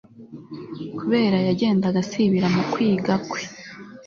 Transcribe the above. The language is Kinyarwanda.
kubera yagendaga asibira mu kwiga kwe